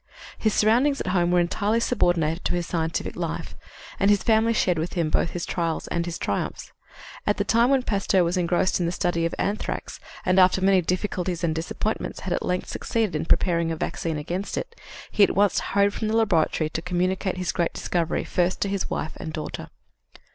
His surroundings at home were entirely subordinated to his scientific life, and his family shared with him both his trials and his triumphs. At the time when Pasteur was engrossed with the study of anthrax, and, after many difficulties and disappointments, had at length succeeded in preparing a vaccine against it, he at once hurried from the laboratory to communicate his great discovery first to his wife and daughter."